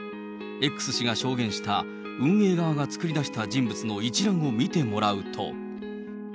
Ｘ氏が証言した運営側が作り出した人物の一覧を見てもらうと。